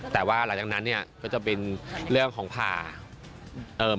แต่ว่าหลังจากนั้นก็จะเป็นเรื่องของภาพ